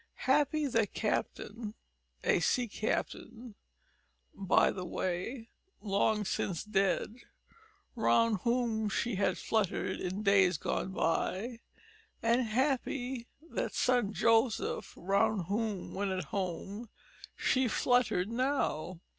Happy that captain a sea captain, by the way, long since dead round whom she had fluttered in days gone bye, and happy that son Joseph round whom, when at home, she fluttered now.